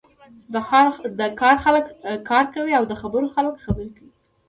د کار خلک کار کوی او د خبرو خلک خبرې کوی.